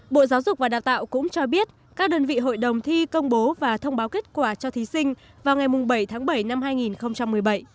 bộ giáo dục và đào tạo cũng cho biết các đơn vị hội đồng thi công bố và thông báo kết quả cho thí sinh vào ngày bảy tháng bảy năm hai nghìn một mươi bảy